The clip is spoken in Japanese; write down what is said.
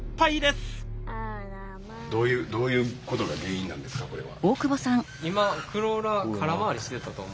どういうことが原因なんですかこれは。